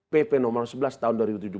pp nomor sebelas tahun dua ribu tujuh belas